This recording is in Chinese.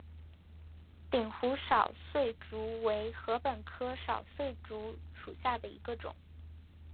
鼎湖少穗竹为禾本科少穗竹属下的一个种。